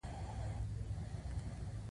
هنري ډیویډ تورو دا نظریه مطرح کړه.